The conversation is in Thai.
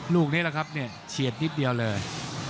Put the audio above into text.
ลูกนี้แหละครับเนี่ยเฉียดนิดเดียวเลย